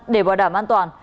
để bảo đảm an toàn